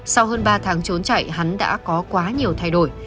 sau hơn ba tháng trốn chạy hắn đã có quá nhiều thay đổi